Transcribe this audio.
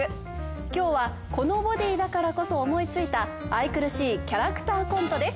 今日はこのボディだからこそ思いついた愛くるしいキャラクターコントです。